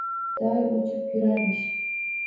Doim uchib yurarmish.